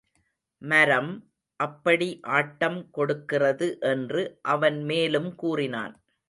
மரம் அப்படி ஆட்டம் கொடுக்கிறது என்று அவன் மேலும் கூறினான்.